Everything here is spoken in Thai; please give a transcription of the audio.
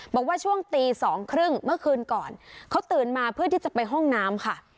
บอกว่าช่วงตีสองครึ่งเมื่อคืนก่อนเขาตื่นมาเพื่อที่จะไปห้องน้ำค่ะ